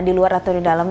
di luar atau di dalam